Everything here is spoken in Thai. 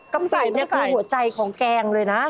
ำไก่นี่คือหัวใจของแกงเลยนะ